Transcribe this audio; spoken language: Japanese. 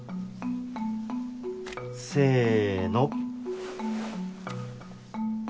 せの。